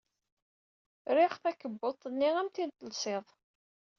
Riɣ takebbuḍt am tin telsid.